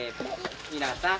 皆さん。